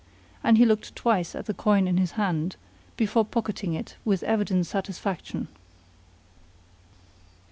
And he looked twice at the coin in his hand before pocketing it with evident satisfaction.